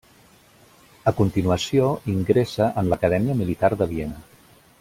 A continuació, ingressa en l'Acadèmia Militar de Viena.